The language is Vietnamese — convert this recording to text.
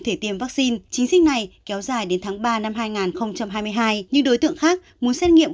thể tiêm vaccine chính sách này kéo dài đến tháng ba năm hai nghìn hai mươi hai những đối tượng khác muốn xét nghiệm